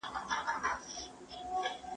¬ بزې مېږي ته ويل کونه دي ښکاره سوه.